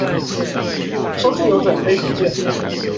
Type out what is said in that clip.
收據留著，可以補件